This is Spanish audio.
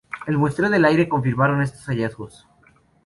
El muestreo del aire confirmaron estos hallazgos.